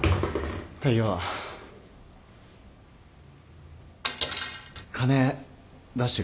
大陽金出してくれ